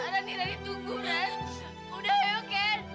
rani rani tunggu ran udah ayo kan